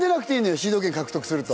シード権獲得すると。